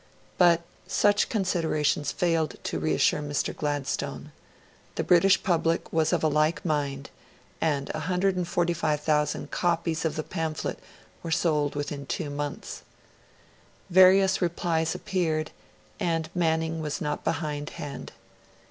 But such considerations failed to reassure Mr. Gladstone; the British Public was of a like mind; and 145,000 copies of the pamphlet were sold within two months. Various replies appeared, and Manning was not behindhand.